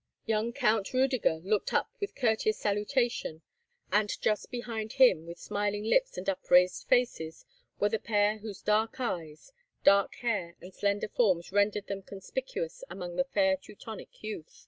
Young Count Rudiger looked up with courteous salutation; and just behind him, with smiling lips and upraised faces, were the pair whose dark eyes, dark hair, and slender forms rendered them conspicuous among the fair Teutonic youth.